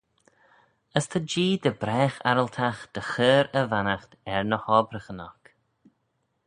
As ta Jee dy bragh arryltagh dy chur e vannaght er ny hobbraghyn oc.